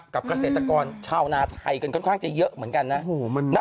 เกษตรกรชาวนาไทยกันค่อนข้างจะเยอะเหมือนกันนะ